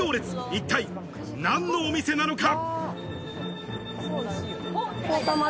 一体何のお店なのか？